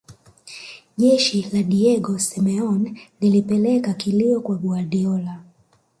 jeshi la diego semeon lilipeleka kilio kwa guardiola